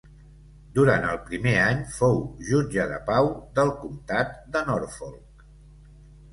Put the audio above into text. Durant el primer any fou jutge de pau del comtat de Norfolk.